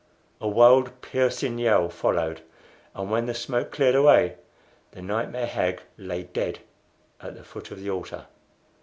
A wild, piercing yell followed, and when the smoke cleared away the nightmare hag lay dead at the foot of the altar.